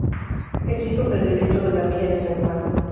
Es hijo predilecto de la villa de San Juan.